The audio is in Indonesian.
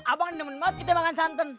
abang yang nemen banget kita makan santan